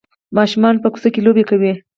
ماشومان په کوڅه کې لوبې کوي.